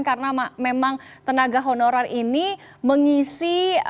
karena memang tenaga honorer ini mengisi